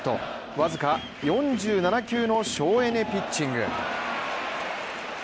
僅か４７球の省エネピッチング。